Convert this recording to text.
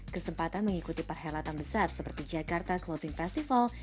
kesempatan mengikuti perhelatan besar seperti jakarta closing festival